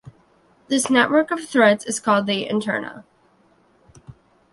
This network of threads is called the interna.